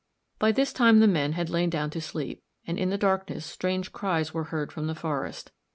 By this time the men had lain down to sleep, and in the darkness strange cries were heard from the forest.